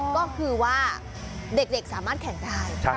ก็คือว่าเด็กสามารถแข่งได้